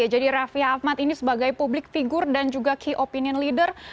jadi raffi ahmad ini sebagai publik figur dan juga key opinion leader